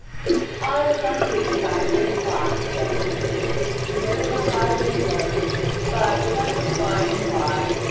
"I was on duty about eight o'clock," he said officially. "There was a high wind blowing, but the night was fine and dry.